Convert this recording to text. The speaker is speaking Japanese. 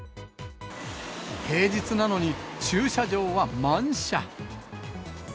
平日なのに駐車場は満車。